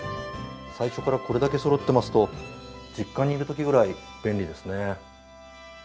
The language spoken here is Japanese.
最初からこれだけそろってますと実家にいるときぐらい便利ですね。